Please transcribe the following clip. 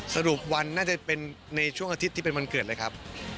สรุปวันน่าจะเป็นในช่วงอาทิตย์ที่เป็นวันเกิดเลยครับ